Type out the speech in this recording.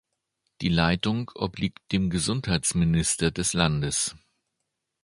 Die Leitung obliegt dem Gesundheitsminister des Landes.